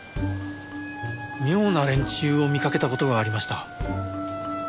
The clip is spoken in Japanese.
妙な連中を見かけた事がありました。